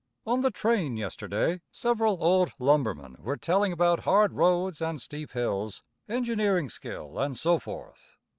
On the train, yesterday several old lumbermen were telling about hard roads and steep hills, engineering skill and so forth.